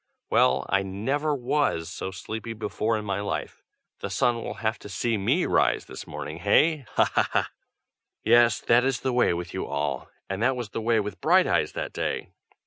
well, I never was so sleepy before in my life! the sun will have to see me rise this morning, hey? ha! ha! ha!" Yes, that is the way with you all, and that was the way with Brighteyes that day.